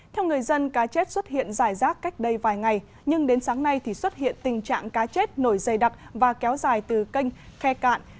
theo người dân cá chết xuất hiện dài rác cách đây vài ngày nhưng đến sáng nay thì xuất hiện tình trạng cá chết nổi dày đặc và kéo dài từ kênh khe cạn